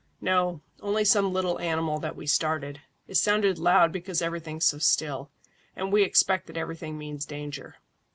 "No; only some little animal that we started. It sounded loud because everything's so still, and we expect that everything means danger.